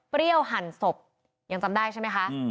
เปรี้ยวหั่นศพยังจำได้ใช่ไหมคะ